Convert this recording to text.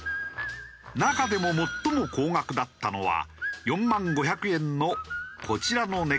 中でも最も高額だったのは４万５００円のこちらのネックレス。